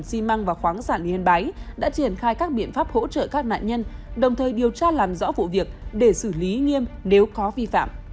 xi măng và khoáng sản yên bái đã triển khai các biện pháp hỗ trợ các nạn nhân đồng thời điều tra làm rõ vụ việc để xử lý nghiêm nếu có vi phạm